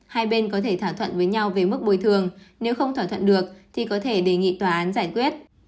hai bên có thể thỏa thuận với nhau về mức bồi thường nếu không thỏa thuận được thì có thể đề nghị tòa án giải quyết